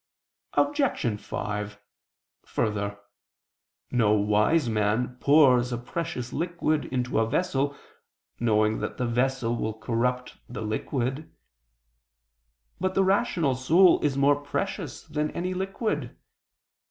Obj. 5: Further, no wise man pours a precious liquid into a vessel, knowing that the vessel will corrupt the liquid. But the rational soul is more precious than any liquid.